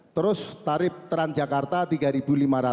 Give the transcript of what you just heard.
terus tarif transjakarta rp tiga lima ratus